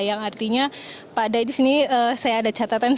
yang artinya pada di sini saya ada catatan